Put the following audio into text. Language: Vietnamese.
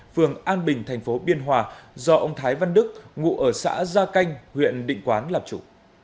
phường an bình thành phố biên hòa do ông thái văn đức ngụ ở xã gia canh huyện định quán lập chủ